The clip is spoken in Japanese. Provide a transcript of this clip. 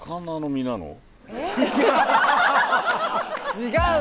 違う。